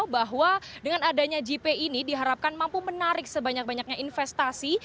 bahwa dengan adanya jip ini diharapkan mampu menarik sebanyak banyaknya investasi